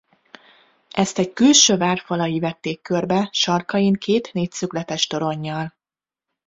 Ezt egy külső vár falai vették körbe sarkain két négyszögletes toronnyal.